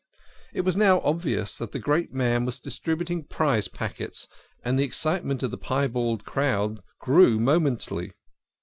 It was now obvious that the great man was distributing prize packets, and the excitement of the piebald crowd grew momently.